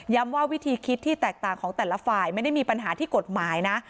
ว่าวิธีคิดที่แตกต่างของแต่ละฝ่ายไม่ได้มีปัญหาที่กฎหมายนะ